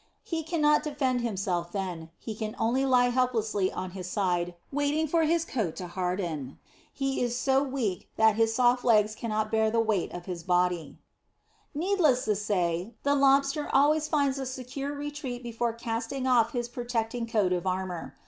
He cannot defend himself then; he can only lie helplessly on his side, waiting for his coat to harden. He is so weak that his soft legs cannot bear the weight of his body. [Illustration: HERMIT CRABS FIGHTING.] Needless to say, the Lobster always finds a secure retreat before casting off his protecting coat of armour.